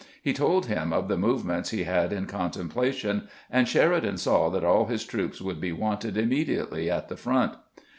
He told him of the movements he had in contemplation, and Sheri dan saw that aU his troopers would be wanted immedi ately at the front.